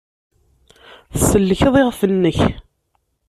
Tsellkeḍ iɣef-nnek.